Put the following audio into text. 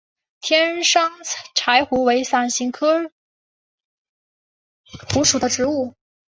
天山柴胡为伞形科柴胡属的植物。